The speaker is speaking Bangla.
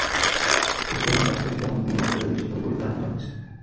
এসব গাছের দাম তিন লাখ টাকার বেশি হবে বলে ধারণা করা হচ্ছে।